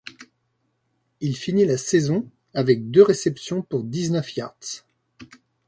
Il finit la saison avec deux réceptions pour dix-neuf yards.